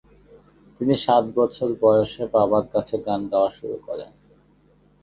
তিনি সাত বছর বয়সে বাবার কাছে গান গাওয়া শুরু করেন।